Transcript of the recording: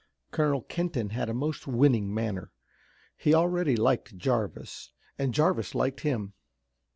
Colonel Kenton had a most winning manner. He already liked Jarvis, and Jarvis liked him.